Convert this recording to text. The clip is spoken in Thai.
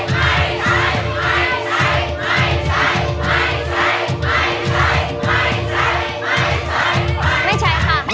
ไม่ใช้ค่ะ